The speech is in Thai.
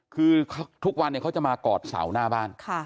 คือทุกวันเขาจะมากอดเสาหน้าบ้าน